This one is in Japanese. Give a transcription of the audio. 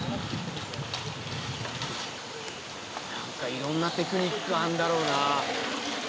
いろんなテクニックあんだろうな。